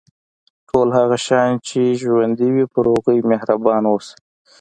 ټول هغه شیان چې ژوندي وي پر هغوی مهربان اوسه.